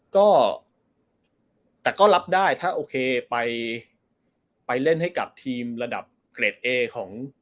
ก็แต่ก็รับได้ถ้าโอเคไปเล่นให้กับทีมระดับเกรดเอของ